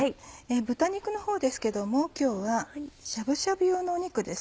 豚肉のほうですけども今日はしゃぶしゃぶ用の肉です。